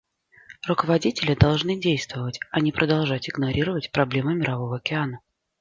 Руководители должны действовать, а не продолжать игнорировать проблемы Мирового океана.